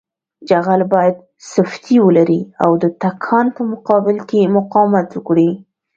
جغل باید سفتي ولري او د تکان په مقابل کې مقاومت وکړي